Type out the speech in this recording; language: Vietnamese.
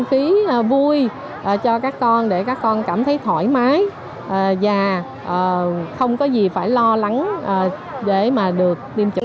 không có gì phải lo lắng để mà được tiêm chữa